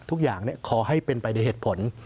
ทุกอย่างขอให้เป็นไปในเหตุผล